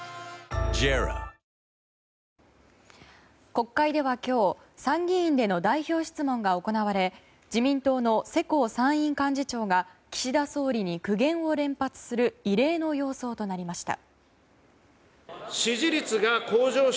国会では今日参議院での代表質問が行われ自民党の世耕参院幹事長が岸田総理に苦言を連発する異例の様相となりました。